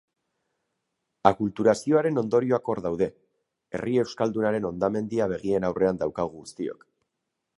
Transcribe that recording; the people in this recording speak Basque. Akulturazioaren ondorioak hor daude, herri euskaldunaren hondamendia begien aurrean daukagu guztiok.